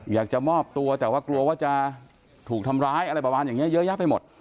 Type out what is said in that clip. อยากจะมอบตัวแต่ว่ากลัวว่าจะถูกทำร้ายอะไรประมาณอย่างนี้เยอะแยะไปหมด